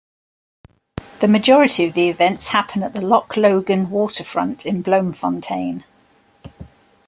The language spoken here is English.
The majority of the events happen at the Loch Logan Waterfront in Bloemfontein.